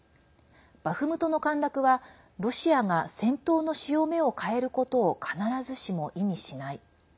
バフムトの陥落は、ロシアが戦闘の潮目を変えることを必ずしも意味しない。